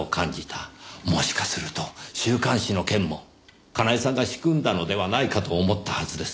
もしかすると週刊誌の件もかなえさんが仕組んだのではないかと思ったはずです。